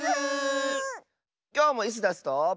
きょうもイスダスと。